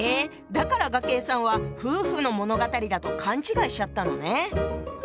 だから雅馨さんは夫婦の物語だと勘違いしちゃったのね。